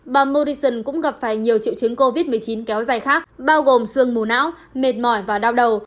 bà morrison cũng gặp phải nhiều triệu chứng covid một mươi chín kéo dài khác bao gồm sương mù não mệt mỏi và đau đầu